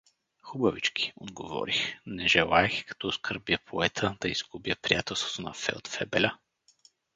— Хубавички — отговорих, не желаейки, като оскърбя поета, да изгубя приятелството на фелдфебеля.